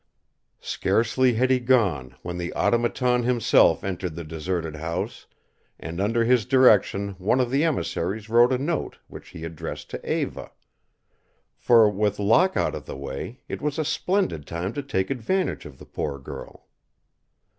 Scarcely had he gone when the Automaton himself entered the deserted house, and under his direction one of the emissaries wrote a note which he addressed to Eva. For, with Locke out of the way, it was a splendid time to take advantage of the poor girl.